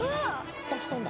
スタッフさんだ」